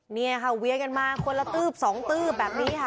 เนี่ยค่ะเวียกันมาคนละตืบสองตืบแบบนี้ค่ะ